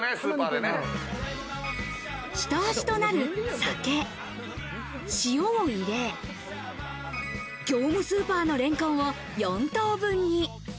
下味となる酒、塩を入れ、業務スーパーのレンコンを４等分に。